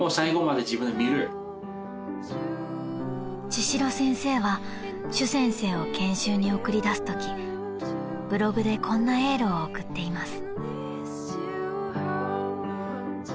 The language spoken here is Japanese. ［千代先生は朱先生を研修に送り出すときブログでこんなエールを送っています］